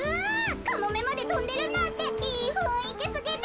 カモメまでとんでるなんていいふんいきすぎる！